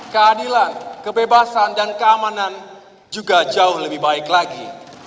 keadilan kebebasan dan keamanan juga jauh lebih baik lagi